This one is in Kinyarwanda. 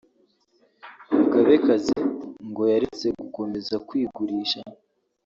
Mugabekazi ngo yaretse gukomeza kwigurisha